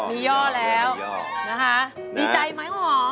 มีย่อแล้วดีใจไหมกระหอม